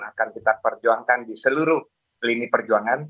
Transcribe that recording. akan kita perjuangkan di seluruh lini perjuangan